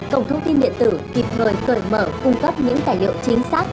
cổng thông tin điện tử kịp thời cởi mở cung cấp những tài liệu chính xác